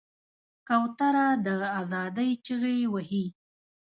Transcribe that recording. کوتره د آزادۍ چیغې وهي.